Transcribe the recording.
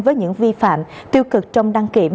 với những vi phạm tiêu cực trong đăng kiểm